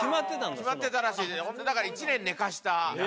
決まってたらしいだから１年寝かせた。